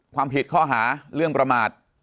ความผิดข้อหาเรื่องประมาท